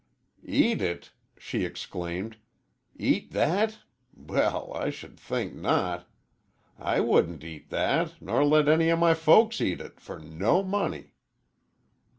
"Eat it!" she exclaimed. "Eat that? Well, I sh'd think not! I wouldn't eat that, ner let any o' my folks eat it, fer no money!"